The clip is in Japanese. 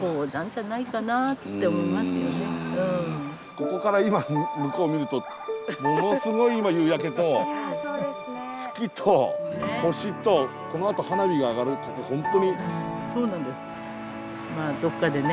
ここから今向こう見るとものすごい夕焼けと月と星とこのあと花火が上がるここ本当に。